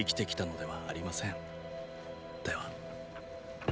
では。